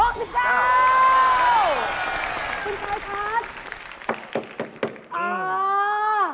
คุณค้ายคัท